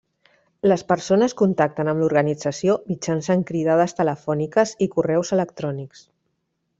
Les persones contacten amb l'organització mitjançant cridades telefòniques i correus electrònics.